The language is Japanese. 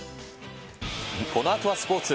このあとはスポーツ。